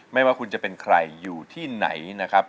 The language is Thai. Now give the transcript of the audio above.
ไม่ว่าคุณจะเป็นใครอยู่ที่ไหนนะครับ